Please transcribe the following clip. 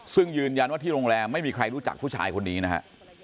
ซึ่งยืนยันว่าที่โรงแรมไม่มีใครรู้จักผู้ชายคนนี้นะฮะ